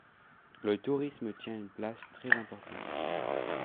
Le tourisme tient une place très importante.